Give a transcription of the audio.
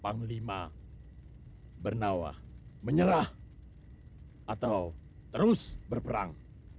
panglima bernawah menyerah atau terus berperang